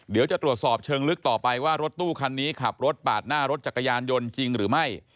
เดี๋ยวจะตรวจสอบเชิงลึกต่อไปว่ารถตู้คันนี้ขับรถปาดหน้ารถจักรยานยนต์จริงหรือไม่